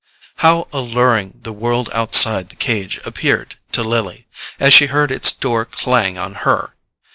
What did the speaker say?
How alluring the world outside the cage appeared to Lily, as she heard its door clang on her!